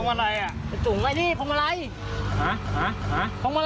สงทรายดูปุ่มอะไรนี่สงทราย